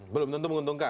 belum tentu menguntungkan